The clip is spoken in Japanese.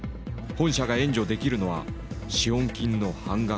本社が援助できるのは資本金の半額だ」。